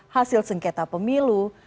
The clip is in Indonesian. hasil sengketa pemilu